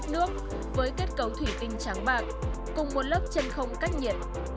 bình giữ nhiệt thông dụng nhất là phim với kết cấu thủy tinh trắng bạc cùng một lớp chân không cách nhiệt